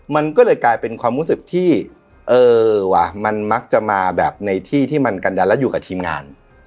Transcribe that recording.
มันก็เลยกลายเป็นความรู้สึกที่เออว่ะมันมักจะมาแบบในที่ที่มันกันดันแล้วอยู่กับทีมงาน